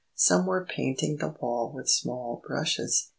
Some were painting the wall with small brushes.